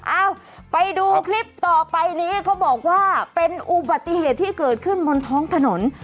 เอ้าไปดูคลิปต่อไปนี้เขาบอกว่าเป็นอุบัติเหตุที่เกิดขึ้นบนท้องถนน